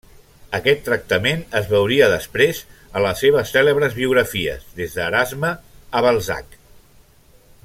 Aquest tractament es veuria després en les seves cèlebres biografies, des d'Erasme a Balzac.